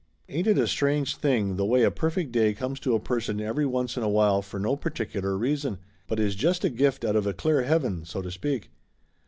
Ain't it a strange thing the way a perfect day comes to a person every once in a while for no particular reason, but is just a gift out of a clear heaven, so to speak?